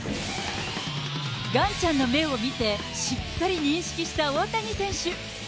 ガンちゃんの目を見て、しっかり認識した大谷選手。